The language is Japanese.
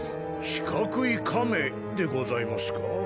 四角いカメでございますか？